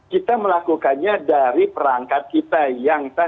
kita melakukannya dari perangkat kita